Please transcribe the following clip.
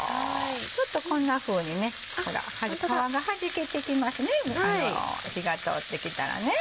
ちょっとこんなふうにほら皮がはじけてきますね火が通ってきたら。